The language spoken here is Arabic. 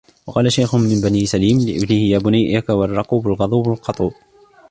وَقَالَ شَيْخٌ مِنْ بَنِي سُلَيْمٍ لِابْنِهِ يَا بُنَيَّ إيَّاكَ وَالرَّقُوبَ الْغَضُوبَ الْقَطُوبَ